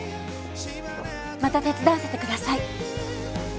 また手伝わせてください。